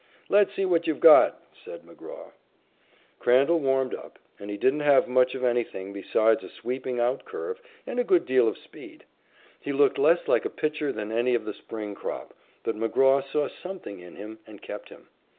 "Let's see what you've got," said McGraw. Crandall warmed up, and he didn't have much of anything besides a sweeping outcurve and a good deal of speed. He looked less like a pitcher than any of the spring crop, but McGraw saw something in him and kept him.